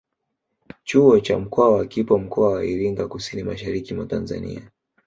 Chuo cha mkwawa kipo mkoa Iringa Kusini mashariki mwa Tanzania